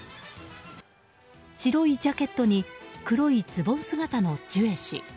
白いジャケットに黒いズボン姿のジュエ氏。